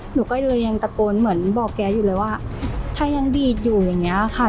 หนูก็เลยยังตะโกนเหมือนบอกแกอยู่เลยว่าถ้ายังดีดอยู่อย่างเงี้ยค่ะ